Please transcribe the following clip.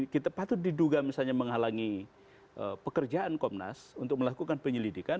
kita patut diduga misalnya menghalangi pekerjaan komnas untuk melakukan penyelidikan